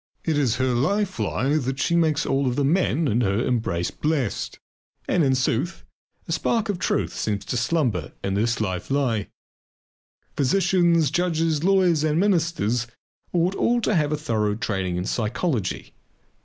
It is her life lie that she makes all the men in her embrace blessed. And in sooth, a spark of truth seems to slumber in this life lie. Physicians, judges, lawyers, and ministers ought all to have a thorough training in psychology.